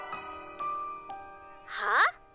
はあ？